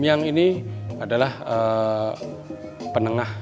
ini juga bisa ditambahkan sebagai perhubungan